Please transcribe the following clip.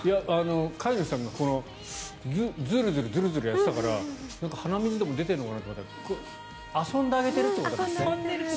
飼い主さんがズルズルやってたから鼻水でも出ているのかなと思ったら遊んであげているってことですね。